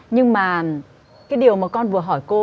nhưng mà cái điều mà con vừa hỏi cô